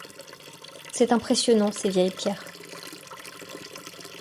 C’est impressionnant, ces vieilles pierres.